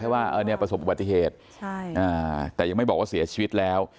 ว่าอันนี้ประสงค์ปฏิเหตุใช่อ่าแต่ยังไม่บอกว่าเสียชีวิตแล้ว